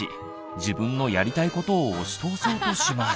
自分のやりたいことを押し通そうとします。